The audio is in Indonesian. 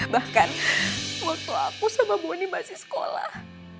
bahkan waktu aku sama boni masih sekolah